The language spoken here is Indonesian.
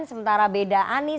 sementara beda anies